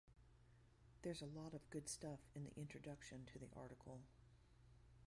There's a lot of good stuff in the introduction to the article.